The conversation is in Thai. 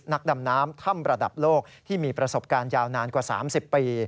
นักดำน้ำถ้ำระดับโลกที่มีประสบการณ์ยาวนานกว่า๓๐ปี